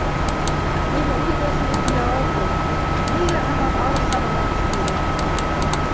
Һин үҙ эшең өсөн яуап бир: нигә һаман арыш сабырға төшмәйһең?